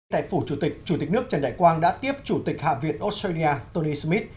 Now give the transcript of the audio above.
tại phủ chủ tịch chủ tịch nước trần đại quang đã tiếp chủ tịch hạ viện australia tolin smith